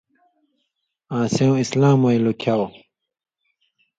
آں سېوں اسلاموَیں لُکھیاؤ؛